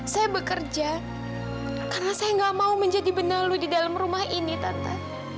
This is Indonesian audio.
saya bekerja karena saya gak mau menjadi benalu di dalam rumah ini tante